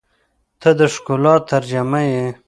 • ته د ښکلا ترجمه یې.